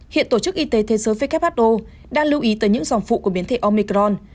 hiện tổ chức y tế thế giới who đang lưu ý tới những dòng phụ của biến thể omicron